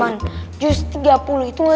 aku tuh begel capek